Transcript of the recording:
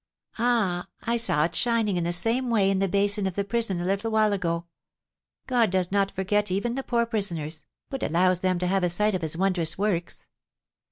Ah, I saw it shining in the same way in the basin of the prison a little while ago! God does not forget even the poor prisoners, but allows them to have a sight of his wondrous works.